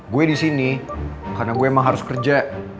gue disini karena gue emang harus kerja